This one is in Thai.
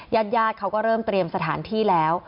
ญาติญาติเขาก็เริ่มเตรียมสถานที่แล้ว